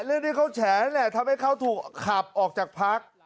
เรื่องที่เขาแฉนั่นแหละทำให้เขาถูกขับออกจากพัก